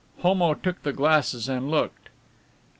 Homo took the glasses and looked.